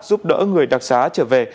giúp đỡ người đặc sản trở về